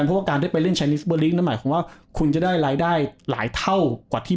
เพราะว่าการได้ไปเล่นชายนิสเบอร์ลิกนั้นหมายความว่าคุณจะได้รายได้หลายเท่ากว่าที่